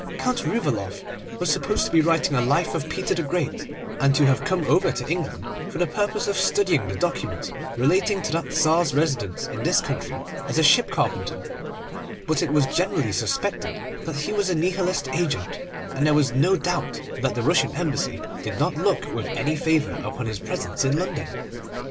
Count Rouvaloff was supposed to be writing a life of Peter the Great, and to have come over to England for the purpose of studying the documents relating to that Tsar's residence in this country as a ship carpenter; but it was generally suspected that he was a Nihilist agent, and there was no doubt that the Russian Embassy did not look with any favour upon his presence in London.